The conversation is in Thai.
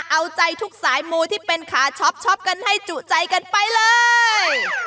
เอาใจทุกสายมูที่เป็นขาช็อปกันให้จุใจกันไปเลย